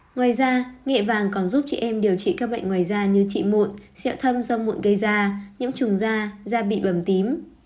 ngoài ra nghệ vàng còn giúp chị em điều trị các bệnh ngoài da như chị mụn sẹo thâm do mụn gây ra nhiễm trùng da da bị bầm tím